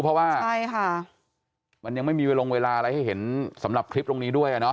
เพราะว่าใช่ค่ะมันยังไม่มีเวลาอะไรให้เห็นสำหรับคลิปตรงนี้ด้วยอ่ะเนาะ